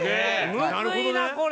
むずいなこれ！